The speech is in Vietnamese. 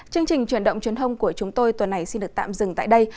chương trình truyền động truyền thông của chúng tôi tuần này xin được tạm dừng tại đây